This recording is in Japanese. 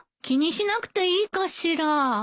気にしなくていいかしら。